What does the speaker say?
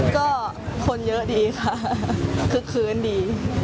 ก็คนเยอะดีค่ะคึกคืนดี